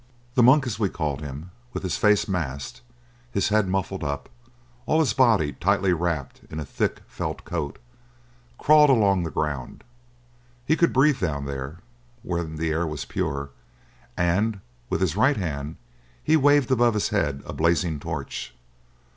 The monk, as we called him, with his face masked, his head muffled up, all his body tightly wrapped in a thick felt cloak, crawled along the ground. He could breathe down there, when the air was pure; and with his right hand he waved above his head a blazing torch.